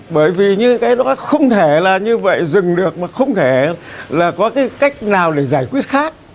bởi vì như cái đó không thể là như vậy dừng được mà không thể là có cái cách nào để giải quyết khác